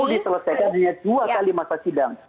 kalau diselesaikan hanya dua kali masa sidang